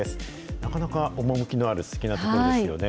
なかなか趣のあるすてきな所ですよね。